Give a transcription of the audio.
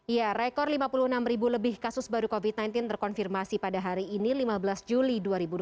ya rekor lima puluh enam ribu lebih kasus baru covid sembilan belas terkonfirmasi pada hari ini lima belas juli dua ribu dua puluh